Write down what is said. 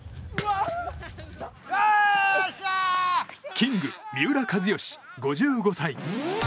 キング、三浦知良５５歳。